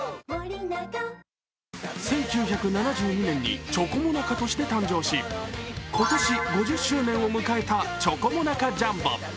１９７２年にチョコモナカとして誕生し、今年５０周年を迎えたチョコモナカジャンボ。